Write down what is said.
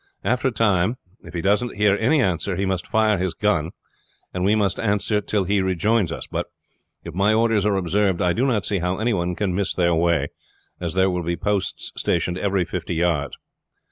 After a time if he doesn't hear any answer he must fire his gun, and we must answer till he rejoins us. But if my orders are observed I do not see how any one can miss their way, as there will be posts stationed every fifty yards.